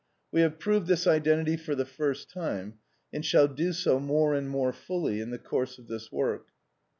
We have proved this identity for the first time, and shall do so more and more fully in the course of this work.